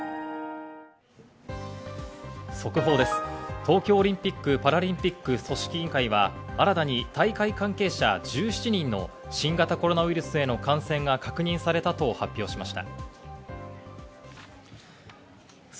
東京オリンピック・パラリンピック組織委員会は、新たに大会関係者１７人の新型コロナウイルスへの感染が確認されたと発表しました。